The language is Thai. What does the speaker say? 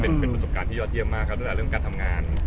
เป็นประสบการณ์ที่ยอดเยี่ยมมากครับด้วยเรื่องการทำงาน